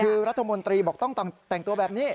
คือรัฐมนตรีบอกต้องแต่งตัวแบบนี้